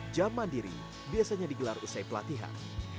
jam mandiri biasanya digelar usai pelatihan